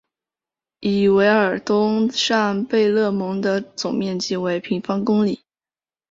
伊韦尔东上贝勒蒙的总面积为平方公里。